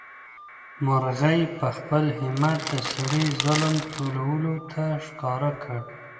مرغۍ په خپل همت د سړي ظلم ټولو ته ښکاره کړ.